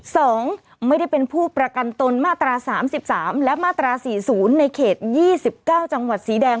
สองไม่ได้เป็นผู้ประกันตนมาตรา๓๓และมาตรา๔๐ในเขต๒๙จังหวัดสีแดง